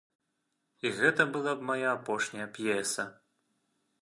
І гэта была б мая апошняя п'еса.